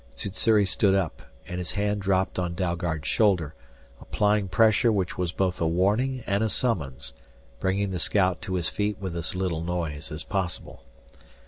Sssuri stood up, and his hand dropped on Dalgard's shoulder, applying pressure which was both a warning and a summons, bringing the scout to his feet with as little noise as possible.